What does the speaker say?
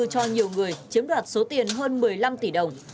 cho nhiều người chiếm đoạt số tiền hơn một mươi năm tỷ đồng